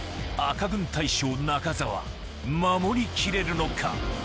赤軍大将・中澤守り切れるのか？